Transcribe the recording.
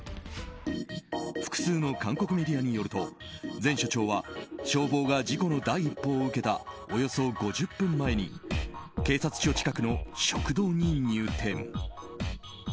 複数の韓国メディアによると前署長は消防が事故の第一報を受けたおよそ５０分前に警察署近くの食堂に入店。